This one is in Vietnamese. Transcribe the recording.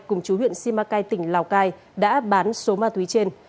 cùng chú huyện simacai tỉnh lào cai đã bán số ma túy trên